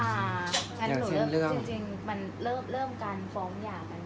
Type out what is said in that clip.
อันไหนที่มันไม่จริงแล้วอาจารย์อยากพูด